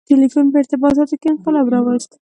• ټیلیفون په ارتباطاتو کې انقلاب راوست.